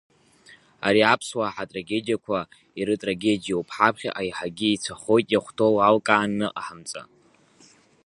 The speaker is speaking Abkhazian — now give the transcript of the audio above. Ари аԥсуаа ҳатрагедиақәа ирытрагедиоуп, ҳаԥхьаҟа еиҳагьы еицәахоит иахәҭоу алкаа аныҟаҵамха.